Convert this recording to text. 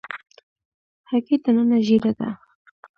هګۍ دننه ژېړه ده.